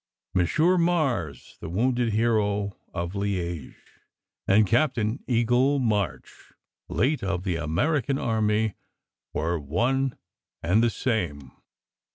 Monsieur Mars, the wounded hero of Liege, and Cap tain Eagle March, late of the American army, were one and the same.